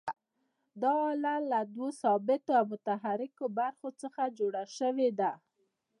دا آله له دوو ثابتو او متحرکو برخو څخه جوړه شوې ده.